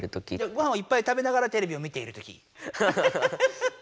ごはんをいっぱい食べながらテレビを見ているとき。